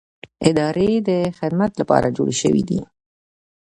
ادارې د خدمت لپاره جوړې شوې دي